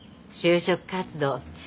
就職活動